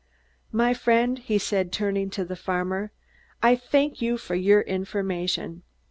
My friend," he said, turning to the farmer, "I thank you for your information.